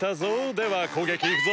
ではこうげきいくぞ！